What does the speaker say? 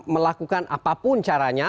melakukan apapun caranya